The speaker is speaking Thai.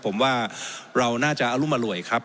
ผมว่าเราน่าจะอรุมอร่วยครับ